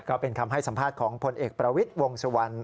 ก็เป็นคำให้สัมภาษณ์ของพลเอกประวิทย์วงสุวรรณ